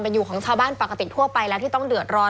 อยู่ของชาวบ้านปกติทั่วไปแล้วที่ต้องเดือดร้อน